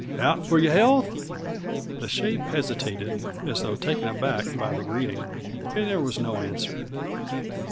Out for your health?" The shape hesitated, as though taken aback by the greeting, and there was no answer.